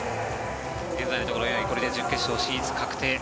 現在のところこれで準決勝進出確定。